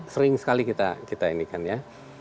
sering sekali kita ini kan ya